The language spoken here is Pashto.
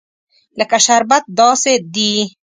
لکه شربت داسې دي.